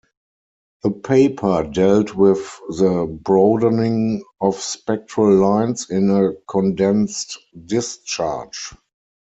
The paper dealt with the broadening of spectral lines in a condensed discharge.